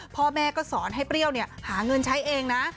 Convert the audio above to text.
พ่อแม่ก็สอนให้เปรี้ยวหาเงินใช้เองนะ